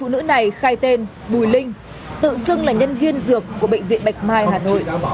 phụ nữ này khai tên bùi linh tự xưng là nhân viên dược của bệnh viện bạch mai hà nội